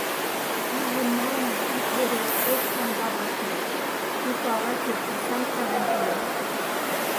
Ий йымалне ик вере ош тамга-влак ыльыч, пуйто ала-кӧ пурсам шавен коден.